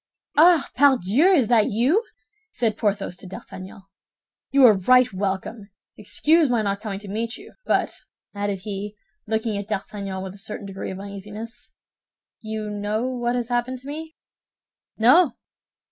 "Ah, pardieu! Is that you?" said Porthos to D'Artagnan. "You are right welcome. Excuse my not coming to meet you; but," added he, looking at D'Artagnan with a certain degree of uneasiness, "you know what has happened to me?" "No."